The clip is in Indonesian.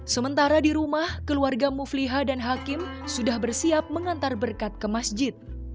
sementara di rumah keluarga mufliha dan hakim sudah bersiap mengantar berkat ke masjid